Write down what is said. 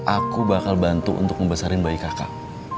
aku bakal bantu untuk membesarin bayi kakak